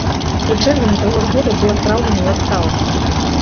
У чэрвені таго ж года быў адпраўлены ў адстаўку.